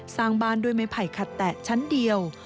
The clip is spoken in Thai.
สร้างบ้านด้วยไม้ไผ่ขัดแตะชั้นเดียว